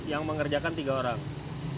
yang mengerjakan tiga orang